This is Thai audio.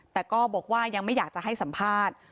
แต่ก็บอกว่ายังไม่อยากจะให้สัมภาษณ์